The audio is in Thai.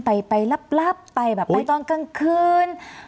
ไปลับไปตอนกลางคืน